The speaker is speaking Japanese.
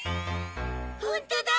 ほんとだ！